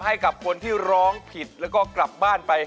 ให้กับคนที่ร้องผิดแล้วก็กลับบ้านไป